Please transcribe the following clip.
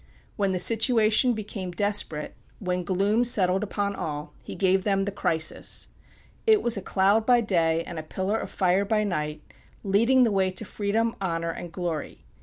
When the situation became desperate, when gloom settled upon all, he gave them the "Crisis." It was a cloud by day and a pillar of fire by night, leading the way to freedom, honor, and glory.